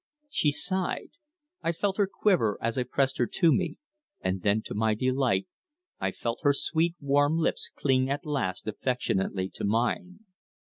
She sighed. I felt her quiver as I pressed her to me, and then to my delight I felt her sweet warm lips cling at last affectionately to mine.